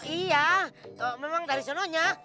iya memang dari sononya